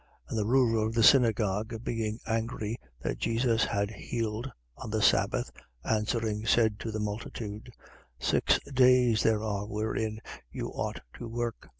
13:14. And the ruler of the synagogue being angry that Jesus had healed on the sabbath answering, said to the multitude: Six days there are wherein you ought to work.